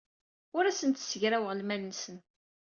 Ur asen-d-ssegraweɣ lmal-nsen.